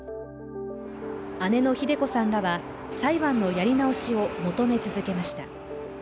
姉のひで子さんらは裁判のやり直しを求め続けました。